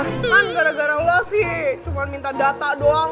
cuman gara gara lo sih cuma minta data doang